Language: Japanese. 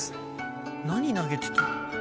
何投げてた？